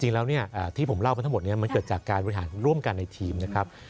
จริงแล้วเนี่ยที่ผมเล่าไปทั้งหมดนี้มันเกิดจากการบริหารร่วมกันในทีมนะครับ